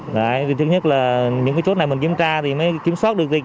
đấy trước nhất là những chốt này mình kiểm tra thì mới kiểm soát được dịch